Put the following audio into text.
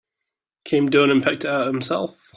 Came down and picked it out himself.